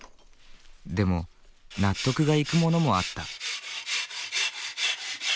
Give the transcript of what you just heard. でも納得がいくものもあった。